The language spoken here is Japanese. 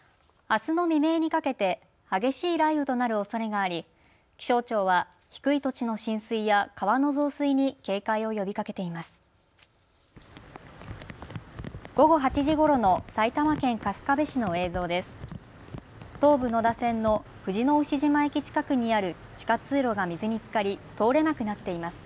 あすの未明にかけて激しい雷雨となるおそれがあり気象庁は低い土地の浸水や川の増水に警戒を呼びかけています。